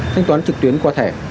thanh toán trực tuyến qua thẻ